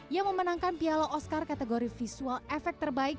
yang memenangkan piala oscar kategori visual efek terbaik